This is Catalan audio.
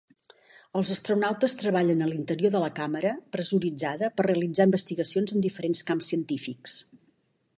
Els astronautes treballen a l'interior de la càmera pressuritzada per realitzar investigacions en diferents camps científics.